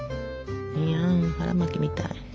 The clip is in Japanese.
いやん腹巻きみたい。